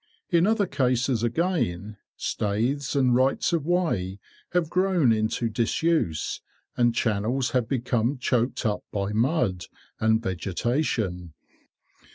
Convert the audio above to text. In other cases again, staithes and rights of way have grown into disuse, and channels have become choked up by mud and vegetation.